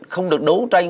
không được đấu tranh